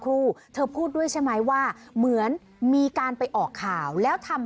ครูเธอพูดด้วยใช่ไหมว่าเหมือนมีการไปออกข่าวแล้วทำ